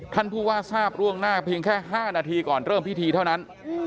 ท่านผู้ว่าทราบล่วงหน้าเพียงแค่๕นาทีก่อนเริ่มพิธีเท่านั้น